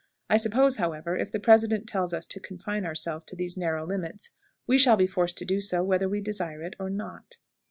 I suppose, however, if the President tells us to confine ourselves to these narrow limits, we shall be forced to do so, whether we desire it or not."